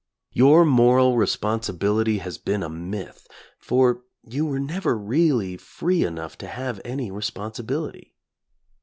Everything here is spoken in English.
Your moral responsibility has been a myth, for you were never really free enough to have any responsibility.